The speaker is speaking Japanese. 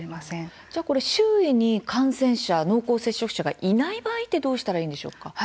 じゃあ、これ周囲に感染者、濃厚接触者がいない場合ってどうしたらいいんでしょうか？